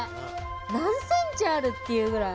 何センチある？っていうくらい。